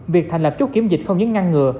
việc thành lập chốt kiểm dịch không những ngăn ngừa